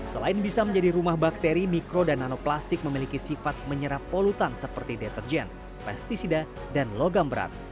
selain bisa menjadi rumah bakteri mikro dan nanoplastik memiliki sifat menyerap polutan seperti deterjen pesticida dan logam berat